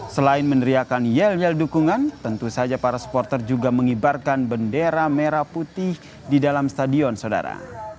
selain meneriakan yel yel dukungan tentu saja para supporter juga mengibarkan bendera merah putih di dalam stadion saudara